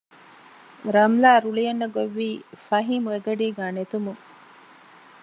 ރަމްލާ ރުޅި އަންނަގޮތްވީ ފަހީމު އެގަޑީގައި ނެތުމުން